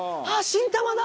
新玉だ！